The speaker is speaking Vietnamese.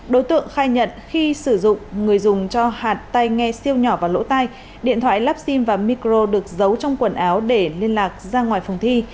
đối tượng khai nhận khi sử dụng người dùng cho hạt tay nghe siêu nhỏ và lỗ tai điện thoại lắp sim và micro được giấu trong quần áo để liên lạc ra ngoài phòng thi